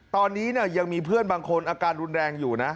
ตอนนี้ยังมีเพื่อนบางคนอาการรุนแรงอยู่นะ